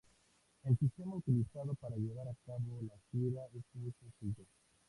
El sistema utilizado para llevar a cabo la gira es muy sencillo.